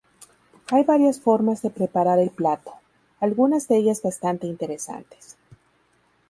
Hay varias formas de preparar el plato, algunas de ellas bastante interesantes.